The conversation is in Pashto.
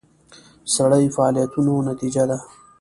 سړي فعالیتونو نتیجه ده.